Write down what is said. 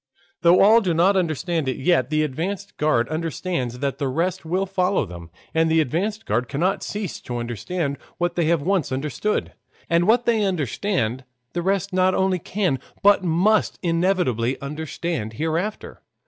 Though all do not understand it yet, the advanced guard understand and the rest will follow them. And the advanced guard cannot cease to understand what they have once understood; and what they understand the rest not only can but must inevitably understand hereafter.